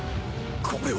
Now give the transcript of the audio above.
これは